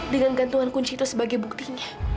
dengan gantungan kunci itu sebagai buktinya